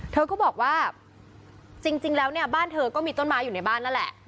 เธอก็บอกว่าจริงแล้วเนี่ยบ้านเธอก็มีต้นไม้อยู่ในบ้านนั่นแหละ